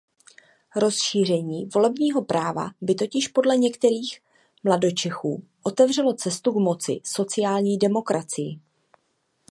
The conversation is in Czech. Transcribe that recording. Rozšíření volebního práva by totiž podle některých mladočechů otevřelo cestu k moci sociální demokracii.